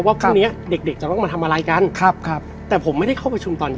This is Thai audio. ว่าพรุ่งเนี้ยเด็กจะต้องมาทำอะไรกันครับครับแต่ผมไม่ได้เข้า